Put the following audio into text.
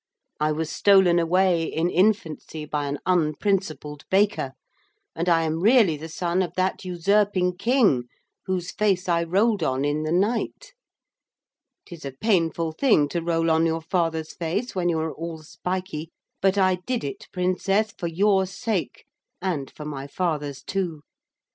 I was stolen away in infancy by an unprincipled baker, and I am really the son of that usurping King whose face I rolled on in the night. It is a painful thing to roll on your father's face when you are all spiky, but I did it, Princess, for your sake, and for my father's too.